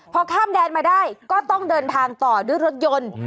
พอข้ามแดนมาได้ก็ต้องเดินทางต่อด้วยรถยนต์